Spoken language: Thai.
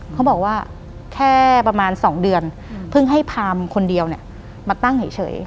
เขาบอกว่าแค่ประมาณ๒เดือนเพิ่งให้พามคนเดียวมาตั้งเฉย